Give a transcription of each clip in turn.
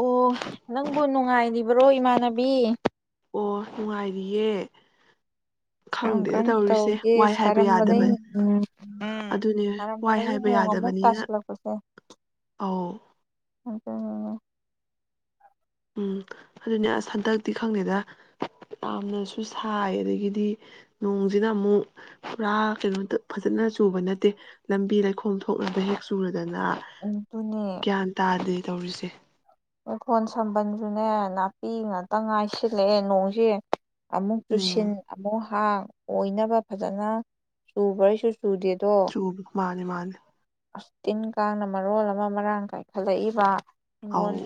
ꯑꯣ ꯅꯪꯕꯨ ꯅꯨꯡꯉꯥꯏꯔꯤꯕ꯭ꯔꯣ ꯏꯃꯥꯟꯅꯕꯤ ꯑꯣ ꯅꯨꯡꯉꯥꯏꯔꯤꯌꯦ ꯀꯔꯝ ꯈꯪꯗꯦꯗ ꯀꯔꯝ ꯇꯧꯔꯤꯁꯦ ꯇꯧꯒꯦ ꯋꯥꯏ ꯍꯥꯏꯕ ꯌꯥꯗꯕ ꯁꯥꯔꯝꯕꯗꯒꯤ ꯎꯝ ꯑꯗꯨꯅꯦ ꯋꯥꯏ ꯁꯥꯔꯝꯕꯗꯒꯤ ꯍꯥꯏꯕ ꯅꯣꯡ ꯑꯃꯨꯛ ꯌꯥꯗꯕꯅꯤꯅ ꯇꯥꯁꯤꯜꯂꯛꯄꯁꯦ ꯑꯧ ꯎꯝ ꯎꯝ ꯑꯗꯨꯅꯦ ꯑꯁ ꯍꯟꯗꯛꯇꯤ ꯈꯪꯗꯦꯗ ꯌꯥꯝꯅꯁꯨ ꯁꯥꯏ ꯑꯗꯒꯤꯗꯤ ꯅꯣꯡꯁꯤꯅ ꯑꯃꯨꯛ ꯄꯨꯔꯥ ꯀꯩꯅꯣꯝ ꯐꯖꯅ ꯆꯨꯕ ꯅꯠꯇꯦ ꯂꯝꯕꯤ ꯂꯩꯈꯣꯝ ꯊꯣꯛꯅꯕꯅꯕ ꯍꯦꯛ ꯆꯨꯔ ꯑꯗꯨꯅ ꯑꯗꯨꯅꯦ ꯒ꯭ꯌꯥꯟ ꯇꯥꯗꯦ ꯇꯧꯔꯤꯁꯦ ꯏꯈꯣꯟ ꯁꯝꯕꯟꯁꯨꯅꯦ ꯅꯥꯄꯤ ꯉꯥꯛꯇ ꯉꯥꯏꯁꯤꯜꯂꯛꯑꯦ ꯅꯣꯡꯁꯦ ꯑꯃꯨꯛ ꯇꯨꯁꯤꯟ ꯎꯝ ꯑꯃꯨꯛ ꯊꯥꯡ ꯑꯣꯏꯅꯕ ꯐꯖꯅ ꯆꯨꯕ꯭ꯔꯁꯨ ꯆꯨꯕ ꯃꯥꯅꯦ ꯃꯥꯅꯦ ꯇꯤꯟ ꯀꯥꯡꯅ ꯃꯔꯣꯜ ꯑꯃ ꯃꯔꯥꯡ ꯀꯥꯏꯈꯠꯂꯛꯏꯕ ꯑꯧ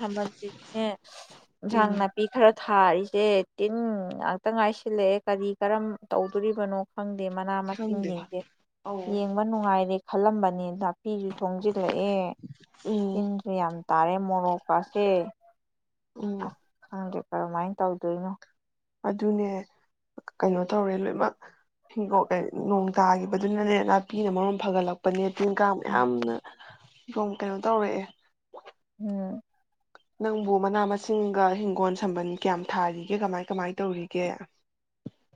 ꯅꯦ ꯏꯟꯁꯥꯡ ꯎꯝ ꯅꯥꯄꯤ ꯈꯔ ꯊꯥ ꯊꯔꯤꯁꯦ ꯇꯤꯟ ꯉꯥꯛꯇ ꯉꯥꯏꯁꯤꯜꯂꯛꯑꯦ ꯀꯔꯤ ꯀꯔꯝ ꯇꯧꯗꯣꯔꯤꯕꯅꯣ ꯈꯪꯗꯦ ꯃꯅꯥ ꯃꯁꯤꯡ ꯈꯪꯗꯦ ꯌꯦꯡꯗꯦ ꯑꯧ ꯌꯦꯡꯕ ꯅꯨꯡꯉꯥꯏꯔꯦ ꯈꯜꯂꯝꯕꯅꯦ ꯅ ꯅ ꯄꯤꯁꯨ ꯁꯣꯡꯁꯤꯜꯂꯛꯑꯦ ꯎꯝ ꯆꯤꯟꯁꯦ ꯌꯥꯝ ꯇꯔꯦ ꯃꯔꯣꯛ ꯀ ꯑꯦ ꯑꯁ ꯎꯝ ꯈꯪꯗꯦ ꯀꯔꯝꯃꯥꯏꯅ ꯇꯧꯗꯣꯏꯅꯣ ꯑꯗꯨꯅꯦ ꯀꯩꯅꯣ ꯇꯧꯔꯦ ꯂꯣꯏꯃꯛ ꯍꯤꯒꯣꯛ ꯑꯦ ꯅꯣꯡ ꯇꯥꯈꯤꯕꯗꯨꯅꯅꯦ ꯅꯥꯄꯤꯅ ꯃꯔꯣꯝ ꯐꯒꯠꯂꯛ ꯄꯅꯦ ꯇꯤꯟ ꯀꯥꯡ ꯃꯌꯥꯝꯅ ꯀꯩꯅꯣ ꯇꯧꯔꯛꯑꯦ ꯎꯝ ꯅꯪꯕꯨ ꯃꯅꯥ ꯃꯁꯤꯡꯒ ꯍꯤꯡꯒꯣꯜ ꯁꯝꯕꯜ ꯀꯌꯥꯝ ꯊꯥꯔꯤꯒꯦ ꯀꯃꯥꯏ ꯀꯃꯥꯏ ꯇꯧꯔꯤꯒꯦ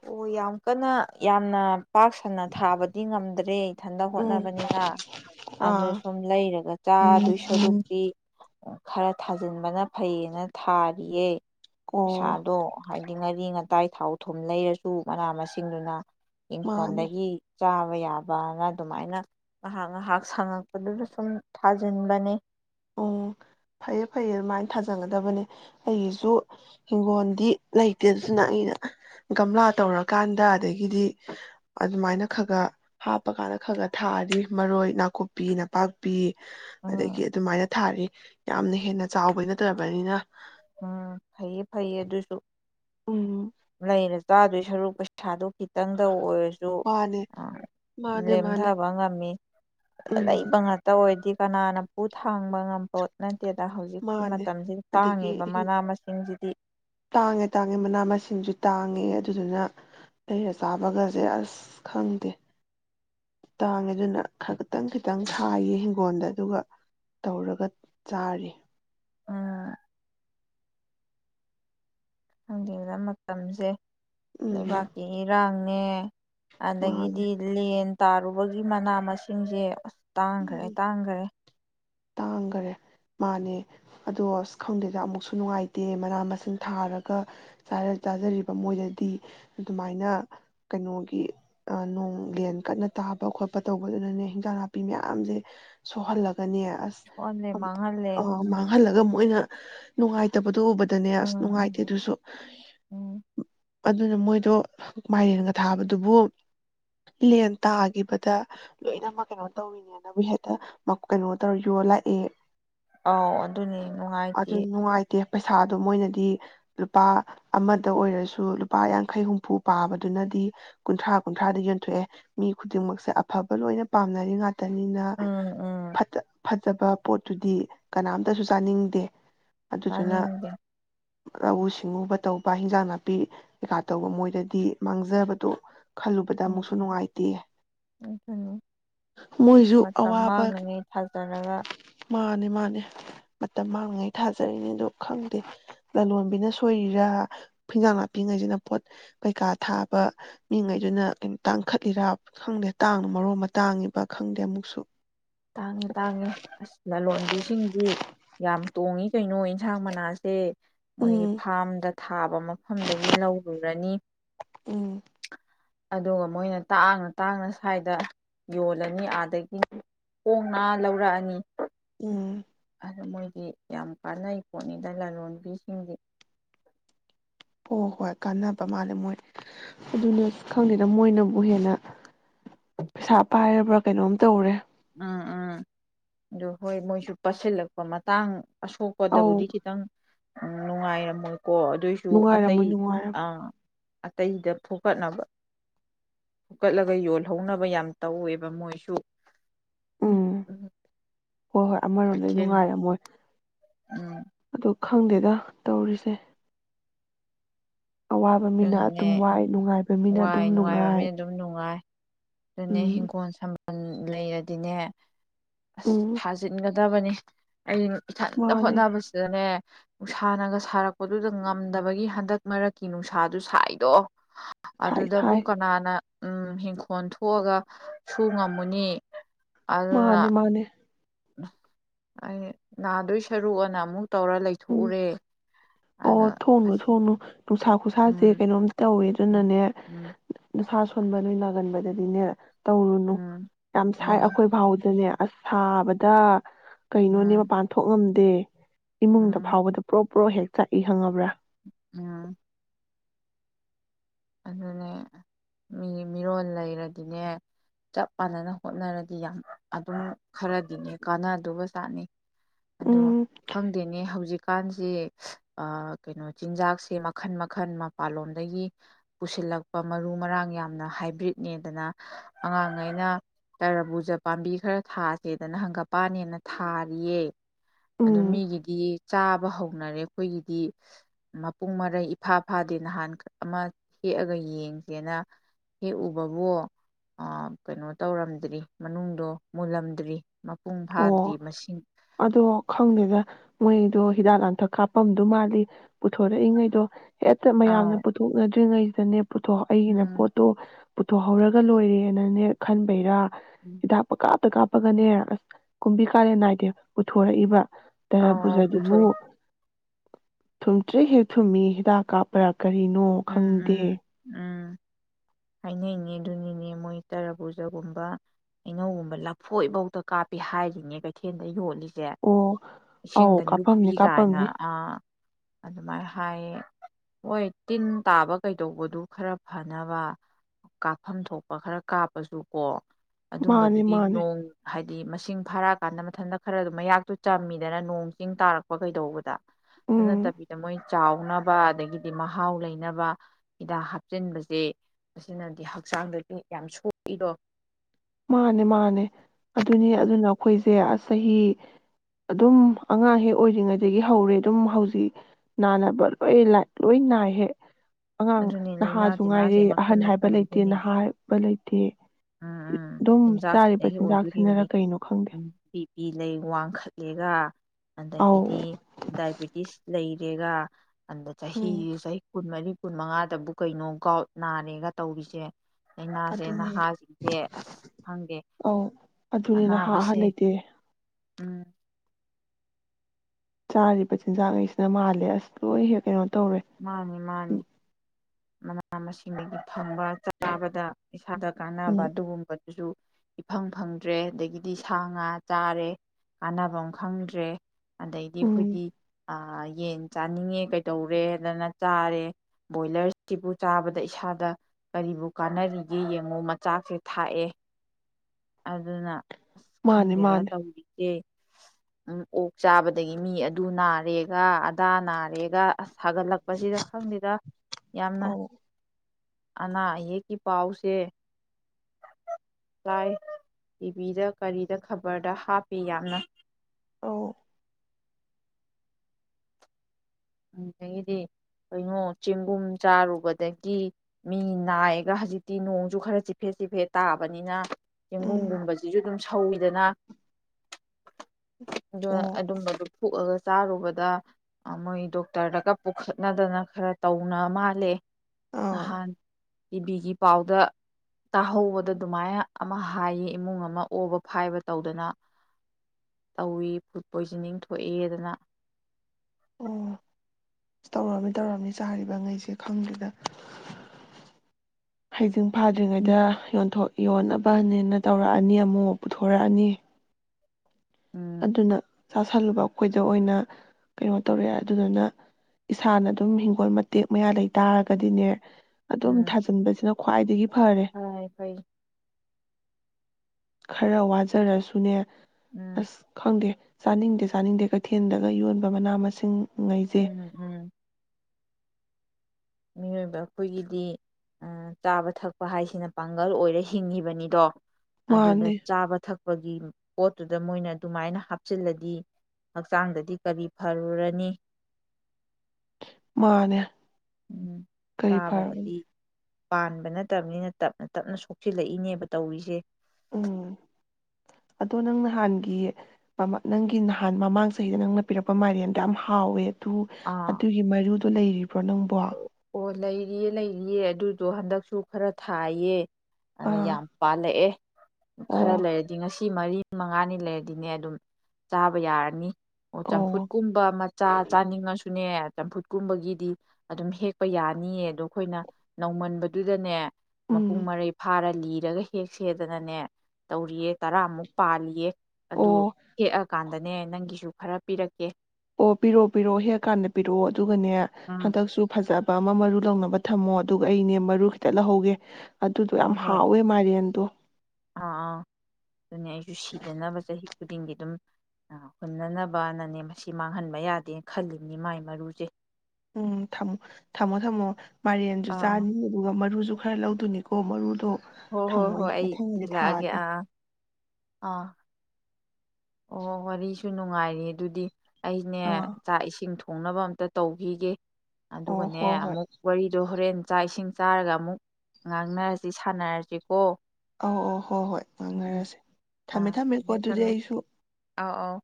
ꯑꯣ ꯌꯥꯝ ꯀꯟꯅ ꯌꯥꯝꯅ ꯄꯥꯛ ꯁꯟꯅ ꯊꯥꯕꯗꯤ ꯉꯝꯗ꯭ꯔꯦ ꯏꯊꯟꯇ ꯎꯝ ꯍꯣꯠꯅꯕꯅꯤꯅ ꯑꯗꯨ ꯑꯥ ꯁꯨꯝ ꯂꯩꯔꯒ ꯆꯥ ꯗꯨꯏ ꯁꯔꯨꯛꯇꯤ ꯈꯔ ꯊꯥꯖꯤꯟꯕꯅ ꯐꯩꯌꯦꯅ ꯊꯥꯔꯤꯌꯦ ꯑꯣ ꯄꯩꯁꯥꯗꯣ ꯍꯥꯏꯗꯤ ꯉꯥꯔꯤ ꯉꯇꯥꯏ ꯊꯥꯎ ꯊꯨꯝ ꯂꯩꯔꯁꯨ ꯃꯅꯥ ꯃꯁꯤꯡꯗꯨꯅ ꯏꯟ ꯃꯥꯅꯦ ꯈꯣꯟꯗꯒꯤ ꯆꯥꯕ ꯌꯥꯕꯅ ꯑꯗꯨꯃꯥꯏꯅ ꯉꯥꯏꯍꯥꯛ ꯉꯥꯏꯍꯥꯛ ꯁꯪꯉꯛꯄꯗꯨꯗ ꯁꯨꯝ ꯊꯥꯖꯤꯟꯕꯅꯤ ꯎꯝ ꯐꯩꯌꯦ ꯐꯩꯌꯦ ꯑꯗꯨꯃꯥꯏꯅ ꯊꯥꯖꯟꯒꯗꯕꯅꯤ ꯑꯩꯒꯤꯁꯨ ꯍꯤꯡꯒꯣꯜꯗꯤ ꯂꯩꯇꯦ ꯑꯗꯨꯅ ꯑꯩꯅ ꯒꯝꯂꯥ ꯇꯧꯔꯀꯥꯟꯗ ꯑꯗꯒꯤꯗꯤ ꯑꯗꯨꯃꯥꯏꯅ ꯈꯒ ꯍꯥꯞꯄ ꯀꯥꯟꯗ ꯈꯒ ꯊꯥꯔꯤ ꯃꯔꯣꯏ ꯅꯥꯀꯨꯞꯄꯤ ꯅꯄꯥꯛꯄꯤ ꯎꯝ ꯑꯗꯒꯤ ꯑꯗꯨꯃꯥꯏꯅ ꯊꯥꯔꯤ ꯌꯥꯝꯅ ꯍꯦꯟꯅ ꯆꯥꯎꯕ ꯅꯠꯇꯔꯕꯅꯤꯅ ꯎꯝ ꯐꯩꯌꯦ ꯐꯩꯌꯦ ꯑꯗꯨꯁꯨ ꯎꯝ ꯂꯩꯔ ꯆꯥꯗꯣꯏ ꯁꯔꯨꯛ ꯄꯩꯁꯥꯗꯣ ꯈꯤꯇꯪꯗ ꯑꯣꯏꯔꯁꯨ ꯃꯥꯅꯦ ꯃꯥꯅꯦ ꯃꯥꯅꯦ ꯂꯦꯝꯊꯕ ꯉꯝꯃꯤ ꯎꯝ ꯂꯩꯕ ꯉꯥꯛꯇ ꯑꯣꯏꯗꯤ ꯀꯅꯥꯅ ꯄꯨ ꯊꯥꯡꯕ ꯉꯝꯄꯣꯠꯅꯠ ꯗꯦꯗꯥ ꯍꯧꯖꯤꯛꯀꯤ ꯃꯥꯅꯦ ꯃꯇꯝꯁꯤꯗ ꯑꯗꯒꯤ ꯇꯥꯡꯉꯤꯕ ꯃꯃꯅꯥ ꯃꯁꯤꯡꯁꯤꯗꯤ ꯇꯥꯡꯉꯦ ꯇꯥꯡꯉꯦ ꯃꯅꯥ ꯃꯁꯤꯡꯁꯨ ꯇꯥꯡꯉꯦ ꯑꯗꯨꯗꯨꯅ ꯂꯩꯔ ꯆꯥꯕꯒꯁꯦ ꯑꯁ ꯈꯪꯗꯦ ꯇꯥꯡꯉꯦ ꯑꯗꯨꯅ ꯈꯛꯇꯪ ꯈꯤꯇꯪ ꯊꯥꯏꯌꯦ ꯍꯤꯡꯒꯣꯜꯗ ꯑꯗꯨꯒ ꯇꯧꯔꯒ ꯆꯥꯔꯤ ꯎꯝ ꯈꯪꯗꯦꯗ ꯃꯇꯝꯖꯦ ꯎꯝ ꯂꯩꯕꯥꯛꯀꯤ ꯏꯔꯥꯡ ꯃꯦ ꯃꯥꯅꯦ ꯑꯗꯒꯤꯗꯤ ꯂꯦꯟ ꯇꯥꯔꯨꯕꯒꯤ ꯃꯅꯥ ꯃꯁꯤꯡꯖꯦ ꯎꯝ ꯇꯥꯡꯈ꯭ꯔꯦ ꯇꯥꯡꯈ꯭ꯔꯦ ꯇꯥꯡꯈꯔꯦ ꯃꯥꯅꯦ ꯑꯗꯣ ꯑꯁ ꯈꯪꯗꯦꯗ ꯑꯃꯨꯛꯁꯨ ꯅꯨꯡꯉꯥꯏꯇꯦ ꯃꯅꯥ ꯃꯁꯤꯡ ꯊꯥꯔꯒ ꯆꯥꯖ ꯆꯥꯖꯔꯤꯕ ꯃꯣꯏꯗꯗꯤ ꯑꯗꯨꯃꯥꯏꯅ ꯀꯩꯅꯣꯒꯤ ꯅꯣꯡ ꯂꯦꯟ ꯀꯟꯅ ꯇꯥꯕ ꯈꯣꯠꯄ ꯇꯧꯕꯗꯨꯅꯅꯦ ꯍꯤꯟꯖꯥꯡ ꯅꯥ ꯄꯤ ꯃꯌꯥꯝꯁꯦ ꯁꯣꯛꯍꯜꯂꯒꯅꯦ ꯑꯁ ꯁꯣꯜꯂꯦ ꯃꯥꯡꯍꯜꯂꯦ ꯑꯝ ꯃꯥꯡꯍꯜꯂꯒ ꯃꯣꯏꯅ ꯅꯨꯡꯉꯥꯏꯇꯕꯗꯣ ꯎꯕ ꯗꯅꯦ ꯑꯁ ꯎꯝ ꯅꯨꯡꯉꯥꯏꯇꯦ ꯎꯝ ꯑꯗꯨꯁꯨ ꯎꯝ ꯑꯗꯨꯅ ꯃꯣꯏꯗꯣ ꯃꯥꯏꯔꯦꯟꯒ ꯊꯥꯕꯗꯨꯕꯨ ꯂꯦꯟ ꯇꯥꯈꯤꯕꯗ ꯂꯣꯏꯅꯃꯛ ꯀꯩꯅꯣ ꯇꯧꯋꯤꯅꯦꯅꯕꯨ ꯍꯦꯛꯇ ꯀꯩꯅꯣ ꯇꯧꯔ ꯌꯣꯜꯂꯥꯛꯑꯦ ꯑꯧ ꯑꯗꯨꯅꯤ ꯑꯗꯨ ꯅꯨꯡꯉꯥꯏꯇꯦ ꯅꯨꯡꯉꯥꯏꯇꯦ ꯄꯩꯁꯥꯗꯣ ꯃꯣꯏꯅꯗꯤ ꯂꯨꯄꯥ ꯑꯃꯗ ꯑꯣꯏꯔꯁꯨ ꯑꯗꯨ ꯂꯨꯄꯥ ꯌꯥꯡꯈꯩ ꯍꯨꯝꯐꯨ ꯄꯥꯕꯗꯨꯅꯗꯤ ꯀꯨꯟꯊ꯭ꯔꯥ ꯀꯨꯟꯊ꯭ꯔꯥꯗ ꯌꯣꯟꯊꯣꯛꯑꯦ ꯃꯤ ꯈꯨꯗꯤꯡꯃꯛꯁꯦ ꯑꯐꯕ ꯂꯣꯏꯅ ꯄꯥꯝꯅꯔꯤ ꯉꯥ ꯐꯠꯇꯅꯤꯅ ꯎꯝ ꯎꯝ ꯐꯠꯇ ꯇꯕ ꯄꯣꯠꯇꯨꯗꯤ ꯀꯅꯥꯝꯇꯁꯨ ꯆꯥꯅꯤꯡꯗꯦ ꯑꯗꯨꯗꯨꯅ ꯇꯥꯅꯤꯡꯗꯦ ꯂꯧꯎ ꯁꯤꯡꯎꯕ ꯇꯧꯕ ꯍꯤꯟꯖꯥꯡ ꯅꯥꯄꯤ ꯄꯤ ꯀꯩꯀꯥ ꯇꯧꯕ ꯃꯣꯏꯗꯗꯤ ꯃꯥꯡꯖꯕꯗꯣ ꯈꯜꯂꯨꯕꯗ ꯎꯝ ꯑꯃꯨꯛꯁꯨ ꯅꯨꯡꯉꯥꯏꯇꯦ ꯑꯗꯨꯅꯤ ꯃꯣꯏꯁꯨ ꯃꯇꯝ ꯑꯋꯥꯕ ꯃꯥꯡꯅꯉꯩ ꯊꯥꯖꯔꯒ ꯃꯥꯅꯦ ꯃꯥꯅꯦ ꯃꯇꯝ ꯃꯥꯡꯉꯩ ꯊꯥꯖꯔꯤꯅꯦ ꯑꯗꯣ ꯈꯪꯗꯦ ꯂꯂꯣꯟꯕꯤꯅ ꯁꯣꯏꯔꯤꯔꯥ ꯐꯤꯟꯖꯥꯡ ꯅꯥꯄꯤꯉꯩꯁꯤꯅ ꯄꯣꯠ ꯀꯩꯀꯥ ꯊꯥꯕ ꯃꯤꯉꯩꯗꯨꯅ ꯀꯩ ꯇꯥꯡꯈꯠꯂꯤꯔꯥ ꯈꯪꯗꯦ ꯇꯥꯡꯅ ꯃꯔꯣꯟ ꯑꯃ ꯇꯥꯡꯉꯤꯕ ꯈꯪꯗꯦ ꯑꯃꯨꯛꯁꯨ ꯇꯥꯡꯉꯦ ꯇꯥꯡꯉꯦ ꯑꯁ ꯂꯂꯣꯟꯕꯤꯁꯤꯡꯗꯤ ꯌꯥꯝ ꯇꯣꯡꯉꯤ ꯀꯩꯅꯣ ꯏꯟꯁꯥꯡ ꯃꯅꯥꯁꯦ ꯃꯣꯏꯒꯤ ꯎꯝ ꯐꯥꯝꯗ ꯊꯥꯕ ꯃꯐꯝꯗꯒꯤ ꯂꯧꯔꯨꯔꯅꯤ ꯎꯝ ꯑꯗꯨꯒ ꯃꯣꯏꯅ ꯇꯥꯡꯅ ꯇꯥꯡꯅ ꯁ꯭ꯋꯥꯏꯗ ꯌꯣꯜꯂꯅꯤ ꯑꯥꯗꯒꯤ ꯍꯣꯡꯅ ꯂꯧꯔꯛꯑꯅꯤ ꯎꯝ ꯃꯣꯏꯗꯤ ꯌꯥꯝ ꯀꯥꯟꯅꯩ ꯄꯣꯠꯅꯤꯗ ꯂꯂꯣꯟꯕꯤꯁꯤꯡꯗꯤ ꯑꯣ ꯍꯣꯏ ꯀꯥꯟꯅꯕ ꯃꯥꯜꯂꯦ ꯃꯣꯏ ꯑꯗꯨꯅ ꯈꯪꯗꯦꯗ ꯃꯣꯏꯅꯕꯨ ꯍꯦꯟꯅ ꯄꯩꯁꯥ ꯄꯥꯏꯔꯕ꯭ꯔꯥ ꯀꯩꯅꯣꯝ ꯇꯧꯔꯦ ꯎꯝ ꯎꯝ ꯑꯗꯨ ꯍꯣꯏ ꯃꯣꯏꯁꯨ ꯄꯁꯤꯜꯂꯛꯄ ꯃꯇꯥꯡ ꯑꯧ ꯑꯁꯣꯛꯄꯗꯕꯨꯗꯤ ꯈꯤꯇꯪ ꯎꯝ ꯅꯨꯡꯉꯥꯏꯔꯝꯃꯣꯏ ꯀꯣ ꯑꯗꯨꯏꯁꯨ ꯑꯇꯩ ꯅꯨꯡꯉꯥꯏꯔꯝꯃꯣꯏ ꯅꯨꯡꯉꯥꯏꯔꯝꯃꯣꯏ ꯑꯥ ꯑꯇꯩꯗ ꯐꯨꯀꯠꯅꯕ ꯐꯨꯀꯠꯂꯒ ꯌꯣꯜꯍꯧꯅꯕ ꯌꯥꯝ ꯇꯧꯋꯦꯕ ꯃꯣꯏꯁꯨ ꯎꯝ ꯍꯣꯏ ꯍꯣꯏ ꯑꯃꯔꯣꯝꯗ ꯅꯨꯡꯉꯥꯏꯔꯝꯃꯣꯏ ꯎꯝ ꯑꯗꯣ ꯈꯪꯗꯦꯗ ꯇꯧꯔꯤꯁꯦ ꯑꯋꯥꯕ ꯃꯤꯅ ꯑꯗꯨꯅꯅꯦ ꯑꯗꯨꯝ ꯋꯥꯏ ꯅꯨꯡꯉꯥꯏꯕ ꯃꯤꯅ ꯋꯥꯏ ꯑꯗꯨꯝ ꯅꯨꯡꯉꯥꯏꯕ ꯃꯤ ꯅꯨꯡꯉꯥꯏ ꯑꯗꯨꯝ ꯅꯨꯡꯉꯥꯏ ꯑꯗꯨꯅꯦ ꯎꯝ ꯍꯤꯡꯒꯣꯟ ꯁꯝ ꯂꯩꯔꯗꯤꯅꯦ ꯑꯁ ꯎꯝ ꯊꯥꯖꯤꯟꯒ ꯗꯕꯅꯤ ꯑꯩ ꯏꯊꯟꯅ ꯃꯥꯅꯦ ꯍꯣꯠꯅꯕꯁꯤꯗꯅꯦ ꯅꯨꯡꯁꯥꯅꯒ ꯁꯥꯔꯛꯄꯗꯨꯗ ꯉꯝꯗꯕꯒꯤ ꯍꯟꯗꯛ ꯃꯔꯛꯀꯤ ꯅꯨꯡꯁꯥ ꯁꯥꯖꯨ ꯁꯥꯏꯗꯣ ꯁꯥꯏ ꯑꯗꯨꯗꯕꯨ ꯁꯥꯏ ꯀꯅꯥꯅ ꯎꯝ ꯏꯪꯈꯣꯜ ꯊꯣꯛꯑꯒ ꯁꯨ ꯉꯝꯃꯨꯅꯤ ꯑꯗꯨꯅ ꯃꯥꯅꯦ ꯃꯥꯅꯦ ꯑꯩ ꯅꯥꯗꯣꯏ ꯁꯔꯨꯛꯑꯅ ꯑꯃꯨꯛ ꯇꯧꯔ ꯎꯝ ꯂꯩꯊꯣꯛꯎꯔꯦ ꯑꯗꯣ ꯑꯣ ꯊꯣꯛꯎꯅꯨ ꯑꯁ ꯊꯣꯛꯎꯅꯨ ꯅꯨꯡꯁꯥ ꯈꯨꯁꯥꯁꯦ ꯎꯝ ꯀꯩꯅꯣꯃ ꯇꯧꯋꯦ ꯎꯝ ꯗꯨꯅꯅꯦ ꯎꯝ ꯁꯥ ꯁꯣꯟꯕ ꯅꯣꯏ ꯅꯥꯒꯟꯕꯗꯗꯤꯅꯦ ꯇꯧꯔꯨꯅꯨ ꯎꯝ ꯌꯥꯝ ꯁꯥꯏ ꯎꯝ ꯑꯈꯣꯏ ꯐꯥꯎꯗꯅꯦ ꯑꯁꯥꯕꯗ ꯀꯩꯅꯣꯅꯦ ꯎꯝ ꯃꯄꯥꯟ ꯊꯣꯛꯉꯝꯗꯦ ꯗꯦ ꯏꯃꯨꯡꯗ ꯎꯝ ꯐꯥꯎꯕꯗ ꯄ꯭ꯔꯣꯞ ꯄ꯭ꯔꯣ ꯍꯦꯛ ꯆꯥꯛꯏ ꯈꯪꯉꯕ꯭ꯔꯥ ꯎꯝ ꯑꯗꯨꯅꯦ ꯃꯤ ꯃꯤꯔꯣꯜ ꯂꯩꯔꯗꯤꯅꯦ ꯆꯞ ꯃꯥꯟꯅꯅ ꯍꯣꯠꯅꯔꯗꯤ ꯌꯥꯝ ꯑꯗꯨꯝ ꯈꯔꯗꯤꯅꯦ ꯀꯥꯟꯅꯗꯣꯕ ꯖꯥꯠꯅꯤ ꯑꯗꯣ ꯎꯝ ꯈꯪꯗꯦꯅꯦ ꯍꯧꯖꯤꯛꯀꯥꯟꯁꯤ ꯀꯩꯅꯣ ꯆꯤꯟꯖꯥꯛꯁꯦ ꯃꯈꯜ ꯃꯈꯜ ꯃꯄꯥꯟꯂꯣꯝꯗꯒꯤ ꯄꯨꯁꯤꯜꯂꯛꯄ ꯃꯔꯨ ꯃꯔꯥꯡ ꯌꯥꯝꯅ ꯍꯥꯏꯕ꯭ꯔꯤꯠꯅꯦꯗꯅ ꯑꯉꯥꯡꯉꯩꯅ ꯇꯔꯕꯨꯖ ꯄꯥꯝꯕꯤ ꯈꯔ ꯊꯥꯁꯦꯗꯅ ꯍꯪꯒꯄꯥꯟꯅꯦꯅ ꯊꯥꯔꯤꯌꯦ ꯑꯗꯣ ꯎꯝ ꯃꯤꯒꯤꯗꯤ ꯆꯥꯕ ꯍꯧꯅꯔꯦ ꯑꯩꯈꯣꯏꯒꯤꯗꯤ ꯃꯄꯨꯡ ꯃꯔꯩ ꯏꯐꯥ ꯐꯥꯗꯦ ꯅꯍꯥꯟ ꯑꯃ ꯍꯦꯛꯑꯒ ꯌꯦꯡꯒꯦꯅ ꯍꯦꯛꯎꯕꯕꯨ ꯀꯩꯅꯣ ꯇꯧꯔꯝꯗ꯭ꯔꯤ ꯃꯅꯨꯡꯗꯣ ꯃꯨꯜꯂꯝꯗ꯭ꯔꯤ ꯃꯄꯨꯡ ꯑꯣ ꯐꯥꯗ꯭ꯔꯤ ꯃꯁꯤꯡ ꯑꯗꯣ ꯈꯪꯗꯦꯗ ꯃꯣꯏꯗꯣ ꯍꯤꯗꯥꯛ ꯂꯥꯡꯊꯛ ꯀꯥꯞꯄꯝꯗꯣ ꯃꯥꯜꯂꯤ ꯄꯨꯊꯣꯔꯛꯏꯉꯩꯗꯣ ꯍꯦꯛꯇ ꯑꯥꯎ ꯃꯌꯥꯝꯅ ꯄꯨꯊꯣꯛꯅꯗ꯭ꯔꯤꯉꯩ ꯑ [unintelligible] ꯄꯨꯊꯣꯛ ꯑꯩꯒꯤꯅ ꯎꯝ ꯄꯣꯠꯇꯣ ꯄꯨꯊꯣꯛꯍꯧꯔꯒ ꯂꯣꯏꯔꯦꯅꯅꯦ ꯈꯟꯕꯩꯔꯥ ꯍꯤꯗꯥꯛ ꯄꯀꯥꯞꯇ ꯀꯥꯥꯞ ꯄꯒꯅꯦ ꯑꯁ ꯀꯨꯝꯕꯤ ꯀꯥꯔꯦꯟ ꯅꯥꯏꯗꯦ ꯄꯨꯊꯣꯔꯛꯏꯕ ꯑꯥꯎ ꯑꯥꯎ ꯇꯔꯕꯨꯖꯥ ꯗꯨꯕꯨ ꯄꯨꯊꯣꯛꯏ ꯊꯨꯝꯇ꯭ꯔꯤꯛ ꯍꯦꯛ ꯊꯨꯝꯃꯤ ꯍꯤꯗꯥꯛ ꯀꯥꯞꯄꯔ ꯀꯔꯤꯅꯣ ꯎꯝ ꯈꯪꯗꯦ ꯎꯝ ꯎꯝ ꯍꯥꯏꯅꯩꯅꯦ ꯑꯗꯨꯅꯤꯅꯦ ꯃꯣꯏ ꯇꯔꯕꯨꯖꯒꯨꯝꯕ ꯑꯩꯅꯧꯒꯨꯝꯕ ꯂꯐꯣꯏꯐꯧꯗ ꯀꯥꯞꯄꯤ ꯍꯥꯏꯔꯤꯅꯦ ꯀꯩꯊꯦꯜꯗ ꯌꯣꯜꯂꯤꯁꯦ ꯁꯦ ꯑꯣ ꯑꯧ ꯏꯁꯤꯡꯗ ꯂꯨꯞꯄꯤ ꯀꯥꯞꯐꯝꯅꯤ ꯀꯥꯏꯅ ꯀꯥꯞꯐꯝꯅꯤ ꯑ ꯑꯗꯨꯃꯥꯏꯅ ꯍꯥꯏ ꯑꯣꯏ ꯇꯤꯟ ꯇꯥꯕ ꯀꯩꯗꯧꯕꯗꯨ ꯈꯔ ꯐꯅꯕ ꯀꯥꯞꯐꯝ ꯊꯣꯛꯄ ꯈꯔ ꯀꯥꯞꯄꯁꯨ ꯀꯣ ꯃꯥꯅꯦ ꯑꯗꯨꯝꯕꯗꯨꯗꯤ ꯃꯥꯅꯦ ꯅꯣꯡ ꯍꯥꯏꯗꯤ ꯍꯥꯏꯗꯤ ꯃꯁꯤꯡ ꯐꯥꯔꯛ ꯑꯀꯥꯟꯗ ꯃꯊꯟꯇ ꯈꯔ ꯑꯗꯨꯝ ꯃꯌꯥꯛꯇꯨ ꯆꯝꯃꯤꯗꯅ ꯅꯣꯡ ꯆꯤꯡ ꯇꯥꯔꯛꯄ ꯀꯩꯗꯧꯕꯗ ꯑꯗꯨ ꯎꯝ ꯅꯠꯇꯕꯤꯗ ꯃꯣꯏ ꯆꯥꯎꯅꯕ ꯑꯗꯒꯤꯗꯤ ꯃꯍꯥꯎ ꯂꯩꯅꯕ ꯍꯤꯗꯥꯛ ꯍꯥꯞꯆꯤꯟꯕꯁꯦ ꯑꯁꯤꯅꯗꯤ ꯍꯛꯆꯥꯡꯗꯗꯤ ꯌꯥꯝ ꯁꯣꯛꯏꯗꯣ ꯃꯥꯅꯦ ꯃꯥꯅꯦ ꯑꯗꯨꯅꯤ ꯑꯗꯨꯅ ꯑꯩꯈꯣꯏꯁꯦ ꯑꯁ ꯆꯍꯤ ꯑꯗꯨꯝ ꯑꯉꯥꯡ ꯍꯦꯛ ꯑꯣꯏꯔꯤꯉꯩꯗꯒꯤ ꯍꯧꯔꯦ ꯑꯗꯨꯝ ꯍꯧꯖꯤꯛ ꯅꯥꯟꯅꯕ ꯂꯣꯏ ꯂ ꯂꯣꯏ ꯅꯥꯏ ꯍꯦꯛ ꯑꯉꯥꯡ ꯑꯗꯨꯅꯤ ꯂꯥꯏꯅꯥ ꯅꯍꯥꯁꯨ ꯇꯤꯟꯅꯥꯁꯦ ꯉꯥꯏꯔꯦ ꯃꯈꯜ ꯑꯍꯟ ꯍꯥꯏꯕ ꯃꯈꯜ ꯂꯩꯇꯦ ꯑꯗꯨꯅꯤ ꯅꯍꯥ ꯍꯥꯏꯕ ꯂꯩꯇꯦ ꯎꯝ ꯎꯝ ꯑꯗꯨꯝ ꯆꯥꯔꯤꯕ ꯆꯤꯟꯖꯥꯛꯁꯤꯗꯒꯤ ꯑꯣꯏꯗꯣꯔꯤꯕꯅꯤ ꯆꯤꯟꯖꯥꯛꯁꯤꯅꯔ ꯀꯩꯅꯣ ꯈꯪꯗꯦ ꯕꯤ ꯄꯤ ꯂꯩ ꯋꯥꯡꯈꯠꯂꯦꯒ ꯑꯥꯎ ꯑꯗꯒꯤꯗꯤ ꯗꯥꯏꯕꯤꯇꯤꯁ ꯂꯩ ꯑꯦꯒꯥ ꯑꯗ ꯆ ꯆꯍꯤ ꯎꯝ ꯍ ꯆꯁ ꯀꯨꯟꯃꯅꯤ ꯀ꯭ ꯀꯨꯟ ꯃꯉꯥꯗꯕꯨ ꯀꯩꯅꯣ ꯒꯥꯎꯠ ꯅꯥꯔꯦꯒ ꯇꯧꯔꯤꯁꯦ ꯂꯥꯏꯅꯥꯁꯦ ꯑꯗꯨꯅꯦ ꯅꯍꯥꯁꯤꯡꯁꯦ ꯑꯁ ꯈꯪꯗꯦ ꯑꯧ ꯑꯗꯨꯅꯦ ꯅꯍꯥ ꯑꯍꯜ ꯑꯅꯥꯕꯁꯦ ꯂꯩꯇꯦ ꯎꯝ ꯆꯥꯔꯤꯕ ꯆꯤꯟꯖꯥꯛꯉꯩꯁꯤꯅ ꯃꯥꯜꯂꯦ ꯑꯁ ꯂꯣꯏ ꯍꯦꯛ ꯀꯩꯅꯣ ꯇꯧꯔꯦ ꯃꯥꯅꯦ ꯃꯥꯅꯤ ꯃꯅꯥ ꯃꯁꯤꯡꯗꯒꯤ ꯊꯝꯕ ꯆꯥꯕꯗ ꯏꯁꯥꯗ ꯀꯥꯟꯅꯕ ꯎꯝ ꯑꯗꯨꯒꯨꯝꯕ ꯑꯗꯨꯨ ꯏꯐꯪ ꯐꯪꯗ꯭ꯔꯦ ꯑꯗꯒꯤꯗꯤ ꯁꯥ ꯉꯥ ꯆꯥꯔꯦ ꯀꯥꯅꯐꯝ ꯈꯪꯗ꯭ꯔꯦ ꯑꯗꯩꯗꯤ ꯎꯝ ꯑꯩꯈꯣꯏꯗꯤ ꯌꯦꯟ ꯆꯥꯅꯤꯡꯉꯦ ꯀꯩꯗꯧꯔꯦ ꯐꯗꯅ ꯆꯥꯔꯦ ꯕꯣꯏꯂꯔꯁꯤꯕꯨ ꯆꯥꯕꯗ ꯏꯁꯥꯗ ꯀꯔꯤꯕꯨ ꯀꯥꯟꯅꯔꯤꯒꯦ ꯌꯦꯡꯉꯨ ꯃꯆꯥꯛꯁꯦ ꯊꯥꯛꯑꯦ ꯑꯗꯨꯅ ꯑꯁ ꯃꯥꯅꯦ ꯈꯪꯗꯦꯗ ꯃꯥꯅꯦ ꯇꯧꯔꯤꯁꯦ ꯑꯣꯛ ꯆꯥꯕꯗꯒꯤ ꯃꯤ ꯑꯗꯨ ꯅꯥꯔꯦꯒ ꯑꯗꯥ ꯅꯥꯔꯦꯒ ꯑꯁ ꯁꯥꯒꯠꯂꯛꯄꯁꯤꯗ ꯈꯪꯗꯦꯗ ꯌꯥꯝꯅ ꯑꯧ ꯑꯅꯥ ꯑꯌꯦꯛꯀꯤ ꯄꯥꯎꯁꯦ ꯆꯥꯏ ꯇꯤꯚꯤꯗ ꯀꯔꯤꯗ ꯈꯕꯔꯗ ꯍꯥꯞꯄꯤ ꯌꯥꯝꯅ ꯑ ꯑꯗꯨꯗꯒꯤꯗꯤ ꯀꯩꯅꯣ ꯆꯦꯡꯒꯨꯝ ꯆꯥꯔꯨꯕꯗꯒꯤ ꯃꯤ ꯅꯥꯏꯔꯒ ꯍꯧꯖꯤꯛꯇꯤ ꯅꯣꯡꯁꯨ ꯈꯔ ꯆꯤꯐꯦꯠ ꯆꯤꯐꯦꯠ ꯇꯥꯕꯅꯤꯅ ꯎꯝ ꯆꯦꯡꯒꯣꯡꯒꯨꯝꯕꯁꯤꯁꯨ ꯑꯗꯨꯝ ꯁꯧꯤꯗꯅ ꯑ ꯑꯣ ꯑꯗꯨꯝꯕꯗꯨ ꯊꯣꯛꯑꯒ ꯆꯥꯔꯨꯕꯗ ꯃꯣꯏ ꯗꯣꯛꯇꯔꯗꯒ ꯄꯨꯈꯠꯅꯗꯅ ꯈꯔ ꯇꯧꯅ ꯃꯥꯜꯂꯦ ꯑꯥ ꯅꯍꯥꯟ ꯏꯤꯚꯤꯒꯤ ꯄꯥꯎꯗ ꯇꯥꯍꯧꯕꯗ ꯑꯗꯨꯃꯥꯏꯅ ꯑꯃ ꯍꯥꯏꯌꯦ ꯏꯃꯨꯡ ꯑꯃ ꯑꯣꯕ ꯐꯥꯏꯕ ꯇꯧꯗꯅ ꯇꯧꯏꯤ ꯐꯨꯗ ꯄꯣꯏꯖꯟꯅꯤꯡ ꯊꯣꯛꯏꯗꯅ ꯑꯁ ꯇꯧꯔꯛꯑꯕꯅꯤ ꯇꯧꯔꯛꯑꯝꯅꯤ ꯆꯥꯔꯤꯕ ꯉꯩꯁꯦ ꯈꯪꯗ꯭ꯔꯤꯗ ꯍꯤꯡ ꯐꯥꯗ꯭ꯔꯤꯉꯩꯗ ꯎꯝ ꯌꯣꯟꯊꯣꯛ ꯌꯣꯟꯅꯕꯅꯦꯅ ꯇꯧꯔꯛꯑꯅꯤ ꯑꯃꯨ ꯄꯨꯊꯣꯔꯛꯑꯅꯤ ꯎꯝ ꯑꯗꯨꯅ ꯆꯥꯁꯜꯂꯨꯕ ꯑꯩꯈꯣꯏꯗ ꯑꯣꯏꯅ ꯀꯩꯅꯣ ꯇꯧꯔꯦ ꯑꯗꯨꯗꯨꯅ ꯏꯁꯥꯅ ꯑꯗꯨꯝ ꯍꯤꯡꯒꯣꯜ ꯃꯇꯦꯛ ꯃꯌꯥ ꯂꯩꯇꯥꯥꯔꯒꯗꯤꯅꯦ ꯑꯗꯨꯝ ꯊꯥꯖꯤꯟꯕꯁꯤꯅ ꯈ꯭ꯋꯥꯏꯗꯒꯤ ꯐꯔꯦ ꯑ ꯐꯥꯏ ꯈꯔ ꯋꯥꯖꯔꯁꯨꯅꯦ ꯎꯝ ꯑꯁ ꯈꯥꯡꯗꯦ ꯆꯥꯅꯤꯡꯗꯦ ꯆꯥꯅꯤꯡꯗꯦ ꯀꯩꯊꯦꯜꯗꯒ ꯌꯣꯟꯕ ꯃꯅꯥ ꯃꯁꯤꯡ ꯉꯩꯁꯦ ꯎꯝ ꯎꯝ ꯃꯤꯑꯣꯏꯕ ꯑꯩꯈꯣꯏꯒꯤꯗꯤ ꯑꯥ ꯆꯥꯕ ꯊꯛꯄ ꯍꯥꯏꯁꯤꯅ ꯄꯥꯡꯒꯜ ꯑꯣꯏꯔ ꯍꯤꯡꯉꯤꯕꯅꯤꯗꯣ ꯑꯗꯨꯗ ꯃꯥꯅꯦ ꯆꯥꯕ ꯊꯛ ꯄꯒꯤ ꯄꯣꯠꯇꯨꯗ ꯃꯣꯏꯅ ꯑꯗꯨꯃꯥꯏꯅ ꯍꯥꯞꯆꯤꯜꯂꯗꯤ ꯍꯛꯆꯥꯡꯗꯗꯤ ꯀꯔꯤ ꯐꯔꯨꯔꯅꯤ ꯃꯥꯅꯦ ꯎꯝ ꯀꯔꯤ ꯐꯔꯕꯅꯣ ꯆꯥꯕꯒꯗꯤ ꯄꯥꯟꯕ ꯅꯠꯇꯕꯅꯤꯅ ꯇꯞꯅ ꯇꯞꯅ ꯁꯣꯛꯆꯤꯜꯂꯛꯏꯅꯦꯕ ꯇꯧꯔꯤꯁꯦ ꯎꯝ ꯑꯗꯣ ꯅꯪ ꯅꯍꯥꯟꯒꯤ ꯅꯪꯒꯤ ꯅꯍꯥꯟ ꯃꯃꯥꯡ ꯆꯍꯤꯗ ꯅꯪꯅ ꯄꯤꯔꯛꯄ ꯃꯥꯏꯔꯦꯟꯗꯣ ꯌꯥꯝ ꯍꯥꯎꯋꯦ ꯑꯗꯨ ꯑꯥ ꯑꯗꯨꯒꯤ ꯃꯔꯨꯗꯣ ꯂꯩꯔꯤ ꯄꯣꯅꯪꯕ ꯑꯣ ꯂꯩꯔꯤꯌꯦ ꯂꯩꯔꯤꯌꯦ ꯑꯗꯨꯗꯣ ꯍꯟꯗꯛꯁꯨ ꯈꯔ ꯊꯥꯏꯌꯦ ꯑꯗꯨ ꯑꯥ ꯌꯥꯝ ꯄꯥꯜꯂꯛꯑꯦ ꯈꯔ ꯑꯣ ꯂꯩꯔꯗꯤ ꯉꯁꯤ ꯁꯤ ꯃꯔꯤ ꯃꯉꯥꯅꯤ ꯂꯩꯔꯗꯤꯅꯦ ꯑꯗꯨꯝ ꯆꯥꯕ ꯌꯥꯔꯅꯤ ꯑꯣ ꯆꯝꯐꯨꯠ ꯀꯨꯝꯕ ꯃꯆꯥ ꯆꯥꯅꯤꯡꯉꯁꯨ ꯗꯨꯅꯦ ꯆꯝꯐꯨꯠꯀꯨꯝꯕꯒꯤꯗꯤ ꯑꯗꯨꯝ ꯍꯦꯛꯄ ꯌꯥꯅꯤꯌꯦ ꯑꯗꯨ ꯑꯈꯣꯏꯅ ꯅꯧꯃꯟꯕꯗꯨꯗꯅꯦ ꯃꯄꯨꯡ ꯎꯝ ꯃꯔꯩ ꯐꯥꯔ ꯂꯤ ꯐꯖꯒ ꯍꯦꯛ ꯁꯦꯗꯅꯅꯦ ꯇꯧꯔꯤꯌꯦ ꯇꯔꯥꯃꯨꯛ ꯄꯥꯜꯂꯤꯌꯦ ꯑꯗꯨ ꯑꯣ ꯍꯦꯛꯑꯀꯥꯟꯗ ꯅꯦ ꯅꯪꯒꯤꯁꯨ ꯈꯔ ꯄꯤꯔꯛꯀꯦ ꯑꯣ ꯄꯤꯔꯛꯑꯣ ꯄꯤꯔꯛꯑꯣ ꯍꯦꯛꯑꯀꯥꯟꯗ ꯄꯤꯔꯛꯑꯣ ꯑꯗꯨꯒꯅꯦ ꯎꯝ ꯍꯗꯛꯁꯨ ꯐꯖꯕ ꯂꯄꯥ ꯑꯃ ꯃꯔꯨ ꯂꯧꯅꯕ ꯊꯝꯃꯣ ꯑꯗꯨꯒ ꯑꯩꯅꯦ ꯃꯔꯨ ꯈꯤꯇ ꯂꯧꯍꯧꯒꯦ ꯑꯗꯨꯗꯣ ꯍꯣꯏ ꯌꯥꯝ ꯍꯣꯏ ꯍꯥꯎꯋꯦ ꯃꯥꯏꯔꯦꯟꯗꯣ ꯑꯥ ꯑꯥ ꯑꯗꯨꯅꯤ ꯑꯩꯁꯨ ꯁꯤꯗꯅꯕ ꯆꯍꯤ ꯈꯨꯗꯤꯡꯒꯤ ꯑꯗꯨꯝ ꯍꯨꯟꯅꯅꯕꯅꯅꯦ ꯃꯁꯤ ꯃꯥꯡꯍꯟꯕ ꯌꯥꯗꯦꯅ ꯈꯜꯂꯤꯕꯅꯤ ꯃꯥꯏ ꯃꯔꯨꯁꯦ ꯎꯝ ꯊꯝꯃꯣ ꯊꯝꯃꯣ ꯊꯝꯃꯣ ꯃꯥꯏꯔꯦꯟꯁꯨ ꯑꯥ ꯑꯥ ꯆꯥꯅꯤ ꯑꯗꯨꯒ ꯃꯔꯨꯁꯨ ꯈꯔ ꯂꯧꯗꯣꯏꯅꯤꯀꯣ ꯃꯔꯨꯗꯣ ꯍꯣꯏ ꯍꯣ ꯊꯝꯃꯣ ꯍꯣꯏ ꯑꯩ ꯊꯤ ꯃꯊꯪꯗꯗꯤ ꯂꯛꯑꯒꯦ ꯊꯥꯒꯦ ꯑꯥ ꯑꯥ ꯑꯣ ꯋꯥꯔꯤꯁꯨ ꯅꯨꯡꯉꯥꯏꯔꯤ ꯑꯗꯨꯗꯤ ꯑꯩꯅꯦ ꯑꯥ ꯆꯥꯛ ꯏꯁꯤꯡ ꯊ ꯍꯣꯡꯅꯕ ꯑꯝꯇ ꯇꯧꯈꯤꯒꯦ ꯑꯣ ꯑꯗꯨꯒꯅꯦ ꯍꯣ ꯍꯣꯏ ꯑꯃꯨꯛ ꯋꯥꯔꯤꯗꯣ ꯍꯣꯔꯦꯟ ꯆꯥꯛ ꯏꯁꯤꯡ ꯆꯥꯔꯒ ꯑꯃꯨꯛ ꯉꯥꯡꯅꯔꯁꯤ ꯁꯥꯟꯅꯔꯁꯤꯀꯣ ꯑꯧ ꯑꯧ ꯍꯣ ꯍꯣꯏ ꯎꯝ ꯎꯝ ꯉꯥꯡꯅꯔꯁꯤ ꯊꯝꯃꯦ ꯑꯥ ꯊꯝꯃꯦꯀꯣ ꯑꯗꯨꯗꯤ ꯊꯝꯃꯦ ꯑꯩꯁꯨ ꯑꯥꯎ ꯑꯥꯎ